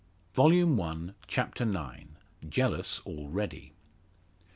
Volume One, Chapter IX. JEALOUS ALREADY.